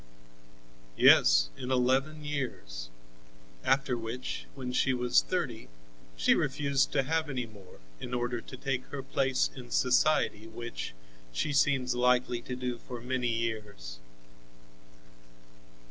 "Yes, in eleven years; after which, when she was thirty, she refused to have any more, in order to take her place in society, which she seems likely to do for many years."